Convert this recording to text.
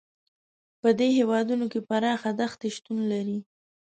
په دې هېوادونو کې پراخې دښتې شتون لري.